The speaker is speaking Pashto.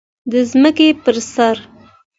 د ځمکې پر سر